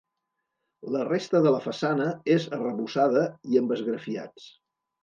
La resta de la façana és arrebossada i amb esgrafiats.